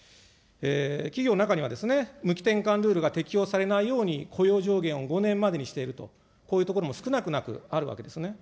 企業の中には、無期転換ルールが適用されないように、雇用上限を５年までにしていると、こういうところも少なくなくあるわけですね。